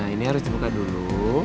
ini harus dibuka dulu